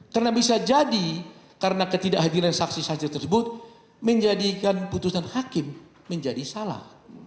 karena bisa jadi karena ketidakhadilan saksi saksi tersebut menjadikan putusan hakim menjadi salah